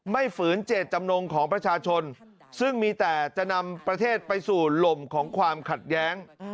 ฝืนเจตจำนงของประชาชนซึ่งมีแต่จะนำประเทศไปสู่ลมของความขัดแย้ง